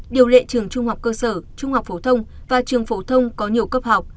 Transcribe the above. điều lệ trường trung học cơ sở trung học phổ thông và trường phổ thông có nhiều cấp học